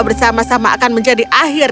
bersama sama akan menjadi akhir